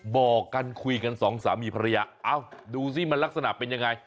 บอกกันคุยกันสองสามหรือภรรยาดูมันลักษณะเป็นยังไง